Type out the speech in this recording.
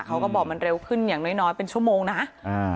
เขาก็บอกมันเร็วขึ้นอย่างน้อยน้อยเป็นชั่วโมงนะอ่า